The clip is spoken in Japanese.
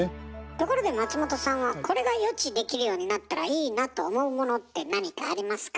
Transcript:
ところで松本さんはこれが予知できるようになったらいいなと思うものって何かありますか？